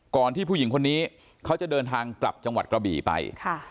ที่ผู้หญิงคนนี้เขาจะเดินทางกลับจังหวัดกระบี่ไป